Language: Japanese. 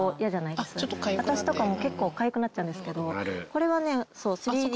・私とかも結構かゆくなっちゃうんですけど。